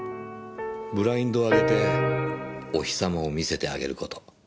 ブラインドを開けてお日様を見せてあげる事。